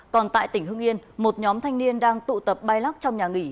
còn tại tỉnh hưng yên một nhóm thanh niên đang tụ tập bay lắc trong nhà nghỉ